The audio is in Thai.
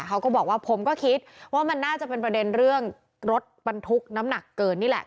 เขาก็บอกว่าผมก็คิดว่ามันน่าจะเป็นประเด็นเรื่องรถบรรทุกน้ำหนักเกินนี่แหละ